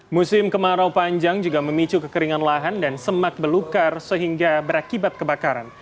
musim kemarau panjang juga memicu kekeringan lahan dan semak belukar sehingga berakibat kebakaran